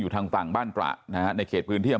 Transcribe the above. แล้วผมเป็นเพื่อนกับพระนกแต่ผมก็ไม่เคยช่วยเหลือเสียแป้ง